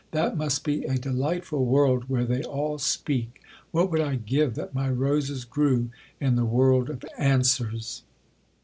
That must be a delightful world where they all speak—what would I give that my roses grew in the world of answers!'